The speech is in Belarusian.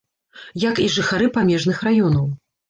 Як і жыхары памежных раёнаў.